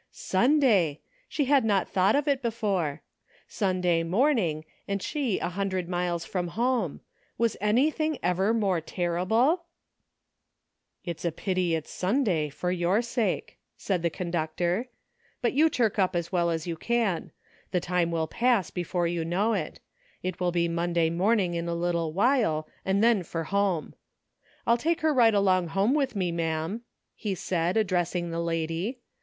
Sunday! she had not thought of it before. Sunday morning, and she a hundred miles from home ! was anything ever more terrible ? A NEW FRIEND. 77 " It's a pity it's Sunday, for your sake," said the conductor; *'but you chirk up as well as you can ; the time will pass before you know it ; it will be Monday morning in a little while, and then for home. "I'll take her right along home with me, ma'amj" he added, addressing the lady.